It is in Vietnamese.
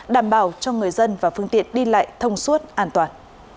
đảm bảo cho người dân và phương tiện đi lại thông suốt an toàn